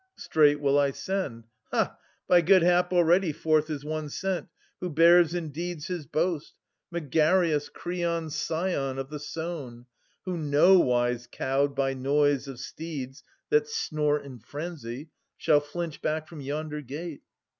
Straight will I send — ha, by good hap already Forth is one sent who bears in deeds his boast, Megareus, Kreon's scion, of the Sown, Who nowise, cowed by noise of steeds that snort In frenzy, shall flinch back from yonder gate.